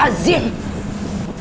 kamu bicara apa barusan anton